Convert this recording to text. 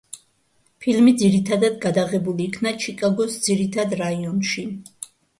ფილმი ძირითადად გადაღებული იქნა ჩიკაგოს ძირითად რაიონში.